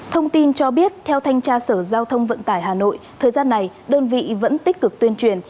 thông tin cho biết theo thanh tra sở giao thông vận tải hà nội thời gian này đơn vị vẫn tích cực tuyên truyền